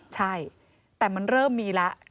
ใช่แต่มันเริ่มมีแล้ว